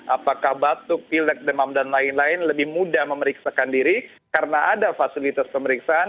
apakah batuk pilek demam dan lain lain lebih mudah memeriksakan diri karena ada fasilitas pemeriksaan